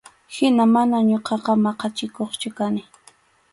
Hina mana ñuqaqa maqachikuqchu kani.